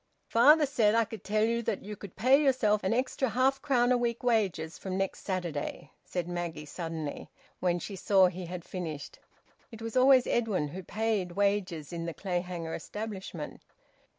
"Father said I could tell you that you could pay yourself an extra half crown a week wages from next Saturday," said Maggie suddenly, when she saw he had finished. It was always Edwin who paid wages in the Clayhanger establishment.